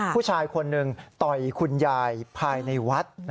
ผู้ชายคนหนึ่งต่อยคุณยายภายในวัด